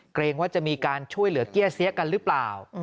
เกรงว่าจะมีการช่วยเหลือเกี้ยเสียกันหรือเปล่า